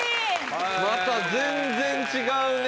また全然違うね